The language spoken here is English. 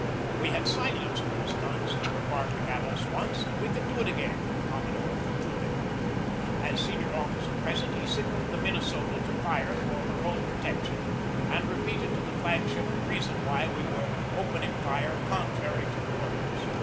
We had silenced those guns that were barking at us once and we could do it again, the commodore concluded. As senior officer present he signalled the Minnesota to fire for her own protec tion, and repeated to the flag ship the reason why we were opening fire contrary to orders.